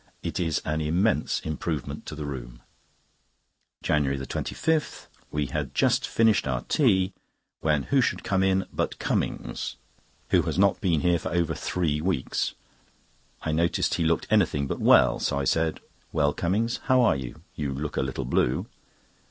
It is an immense improvement to the room. JANUARY 25.—We had just finished our tea, when who should come in but Cummings, who has not been here for over three weeks. I noticed that he looked anything but well, so I said: "Well, Cummings, how are you? You look a little blue."